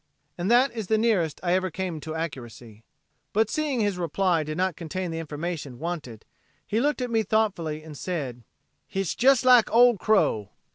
And that is the nearest I ever came to accuracy. But seeing his reply did not contain the information wanted he looked at me thoughtfully and said: "Hit's jes' like 'Old Crow!'